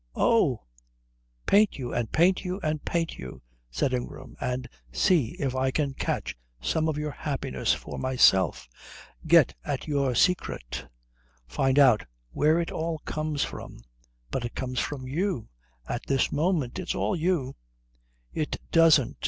"Oh " "Paint you, and paint you, and paint you," said Ingram, "and see if I can catch some of your happiness for myself. Get at your secret. Find out where it all comes from." "But it comes from you at this moment it's all you " "It doesn't.